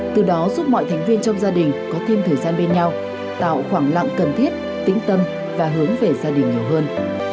từ đó giúp mọi thành viên trong gia đình có thêm thời gian bên nhau tạo khoảng lặng cần thiết tĩnh tâm và hướng về gia đình nhiều hơn